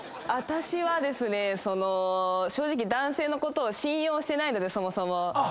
私はですね正直男性のことを信用してないのでそもそも。